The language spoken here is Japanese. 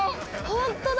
本当だ！